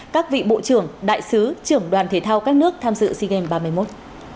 các vị bộ trưởng đại sứ trưởng đoàn thể thao các nước tham dự sea games ba mươi một